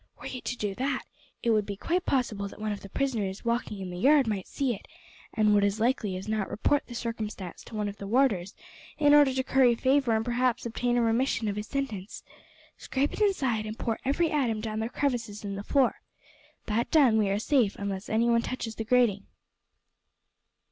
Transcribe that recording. "Were you to do that, it would be quite possible that one of the prisoners walking in the yard might see it, and would as likely as not report the circumstance to one of the warders in order to curry favour and perhaps obtain a remission of his sentence. Scrape it inside and pour every atom down the crevices in the floor. That done, we are safe unless anyone touches the grating."